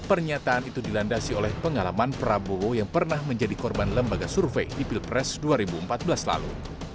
pernyataan itu dilandasi oleh pengalaman prabowo yang pernah menjadi korban lembaga survei di pilpres dua ribu empat belas lalu